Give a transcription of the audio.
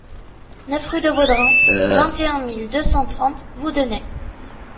neuf rue de Vaudrin, vingt et un mille deux cent trente Voudenay